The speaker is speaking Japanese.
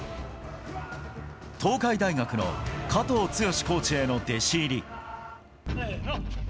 東海大学の加藤健志コーチへの弟子入り。